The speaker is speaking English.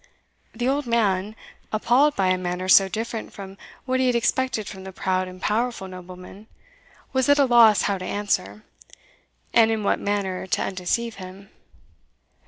The old man, appalled by a manner so different from what he had expected from the proud and powerful nobleman, was at a loss how to answer, and in what manner to undeceive him.